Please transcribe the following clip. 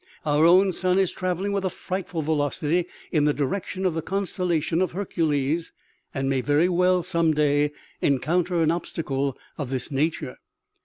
Our own sun is travelling with a frightful veloc ity in the direction of the constellation of Hercules, and may very well some day encounter an obstacle of this nature."